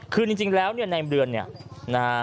คือจริงแล้วเนี่ยในเรือนเนี่ยนะฮะ